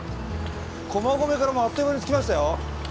駒込からもうあっという間に着きましたよ。